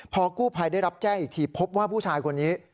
พอกู้ภัยได้รับแจ้งอีกทีพบว่าผู้ชายคนนี้